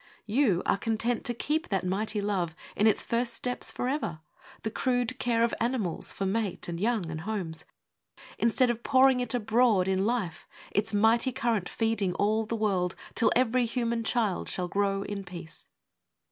You are content to keep that mighty love In its first steps forever; the crude care Of animals for mate and young and homes, Instead of pouring it abroad in life, Its mighty current feeding all the world Till every human child shall grow in peace.